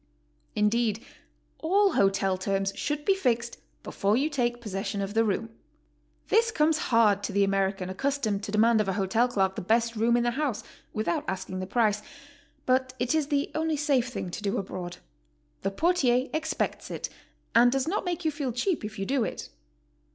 Indeed, all hotel terms should be fixed before you take possession of the room. This comes hard to the American accustomed to demand of a hotel clerk the best room in the house, without asking the price, but it is the only safe thing to do abroad. The portier expects it and does not make you feel cheap if you do it.